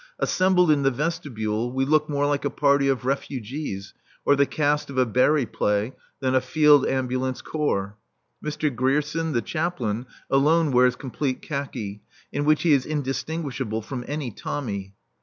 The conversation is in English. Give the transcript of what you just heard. Assembled in the vestibule, we look more like a party of refugees, or the cast of a Barrie play, than a field ambulance corps. Mr. Grierson, the Chaplain, alone wears complete khaki, in which he is indistinguishable from any Tommy.